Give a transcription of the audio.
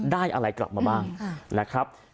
ได้อะไรกลับมาบ้างนะครับ